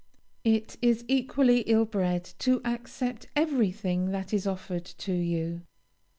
It is equally ill bred to accept every thing that is offered to you.